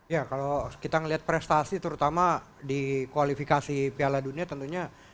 ya kalau kita melihat prestasi terutama di kualifikasi piala dunia tentunya